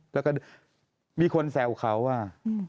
แล้วก็มีคนแซวเขาว่า